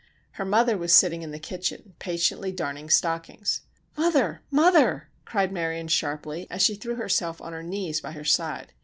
Her mother was sitting in the kitchen patiently darning stockings. "Mother! mother!" cried Marion sharply, as she threw herself on her knees by her side.